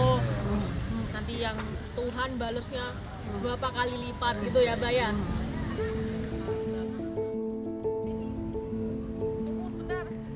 nanti yang tuhan balesnya berapa kali lipat gitu ya bayar